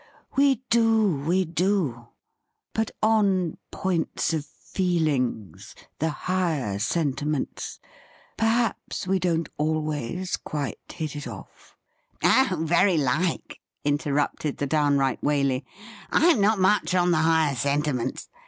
' We do — we do ; but on points of feelings, the higher sentiments, perhaps we don't always quite hit it off '' 'Oh, very like,' interrupted the downright Waley. ' I'm not much on the higher sentiments.